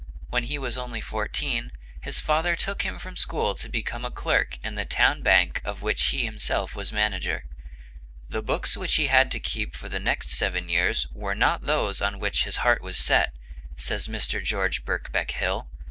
When he was only fourteen his father took him from school to become clerk in the town bank of which he himself was manager. "The books which he had to keep for the next seven years were not those on which his heart was set," says Mr. George Birkbeck Hill.